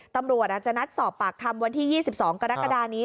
ตำรวจอาจจะนัดสอบปากคำวันที่๒๒กรกฎานี้